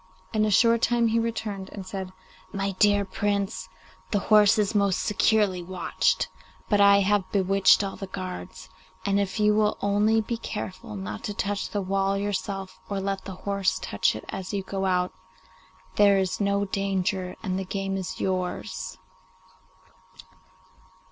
In a short time he returned and said, 'My dear Prince, the horse is most securely watched, but I have bewitched all the guards, and if you will only be careful not to touch the wall yourself, or let the horse touch it as you go out, there is no danger and the game is yours.